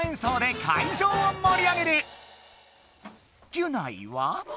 ギュナイは？